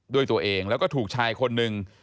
ด้วยตัวเองแล้วก็ถูกชายคนหนึ่ง